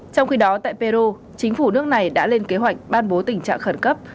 trong khi đó tại peru chính phủ nước này đã lên kế hoạch ban bố tình trạng khẩn cấp